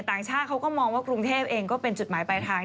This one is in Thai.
ต่างชาติเขาก็มองว่ากรุงเทพเองก็เป็นจุดหมายปลายทาง